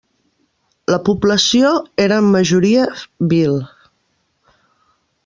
La població era en majoria bhil.